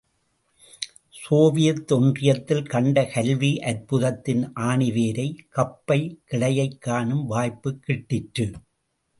Soviet ஒன்றியத்தில் கண்ட கல்வி அற்புதத்தின் ஆணிவேரை, கப்பை, கிளையைக் காணும் வாய்ப்புக் கிட்டிற்று.